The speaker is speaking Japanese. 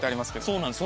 そうなんです。